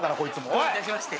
どういたしまして。